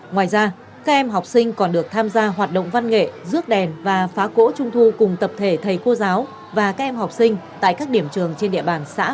ngoài ra các em học sinh còn được tham gia hoạt động văn nghệ rước đèn và phá cỗ trung thu cùng tập thể thầy cô giáo và các em học sinh tại các điểm trường trên địa bàn xã